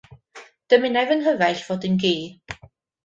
Dymunai fy nghyfaill fod yn gi.